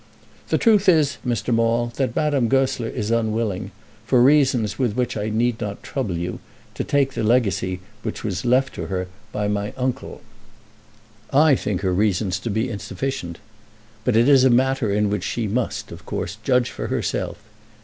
"The truth is, Mr. Maule, that Madame Goesler is unwilling, for reasons with which I need not trouble you, to take the legacy which was left to her by my uncle. I think her reasons to be insufficient, but it is a matter in which she must, of course, judge for herself.